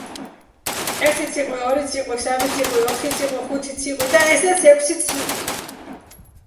ერთი ციყვი, ორი ციყვი, სამი ციყვი, ოთხი ციყვი, ხუთი ციყვი და ესეც ექვსი ციყვი.